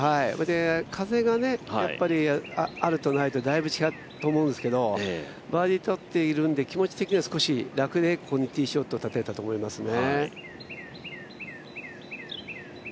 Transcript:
風があるとないとでだいぶ違うと思うんですけど、バーディーとっているんで気持ち的にはちょっと楽でここにティーショット立てたと思いますね。